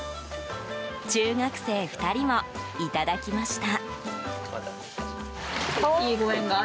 中学生２人もいただきました。